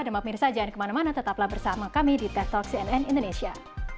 dan mbak mirsa jangan kemana mana tetaplah bersama kami di ted talk cnn indonesia